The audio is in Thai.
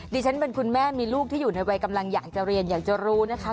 ดิฉันเป็นคุณแม่มีลูกที่อยู่ในวัยกำลังอยากจะเรียนอยากจะรู้นะคะ